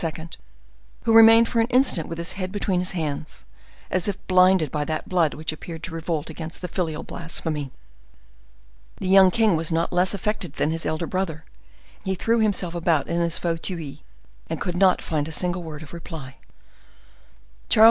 who remained for an instant with his head between his hands, and as if blinded by that blood which appeared to revolt against the filial blasphemy. The young king was not less affected than his elder brother; he threw himself about in his fauteuil, and could not find a single word of reply. Charles II.